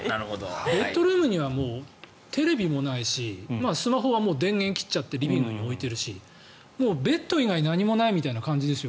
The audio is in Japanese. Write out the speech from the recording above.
ベッドルームにはテレビもないしスマホは電源を切っちゃってリビングに置いているしベッド以外何もないみたいな感じですよ